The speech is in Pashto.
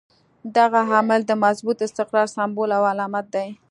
دغه عمل د مضبوط استقرار سمبول او علامت دی.